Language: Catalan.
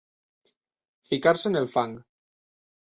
Ficar-se en el fang.